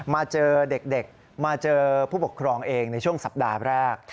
มาเจอเด็กมาเจอผู้ปกครองเองในช่วงสัปดาห์แรก